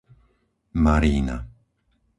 Marína